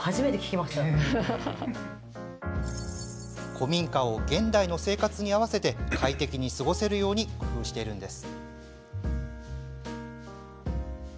古民家を現代の生活に合わせて快適に過ごせるように工夫しています。